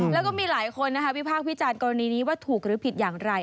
แล้วก็มีหลายคนวิพากษ์วิจารณ์กรณีนี้ว่าถูกหรือผิดอย่างไร